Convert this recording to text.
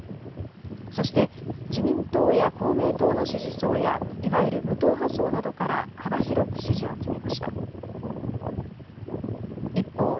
そして自民党や公明党の支持層やいわゆる無党派層などから幅広く支持を集めました。